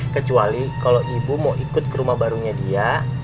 kecuali kalau ibu mau ikut ke rumah barunya dia